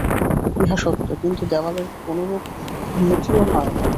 ইহা সত্য, কিন্তু দেওয়ালের কোনরূপ উন্নতিও হয় না।